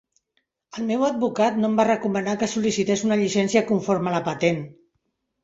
El meu advocat no em va recomanar que sol·licités una llicència conforme a la patent.